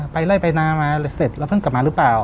ไปไล่ไปนามาเสร็จแล้วเพิ่งกลับมาหรือเปล่า